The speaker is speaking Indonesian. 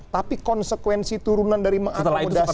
tapi konsekuensi turunan dari mengakomodasi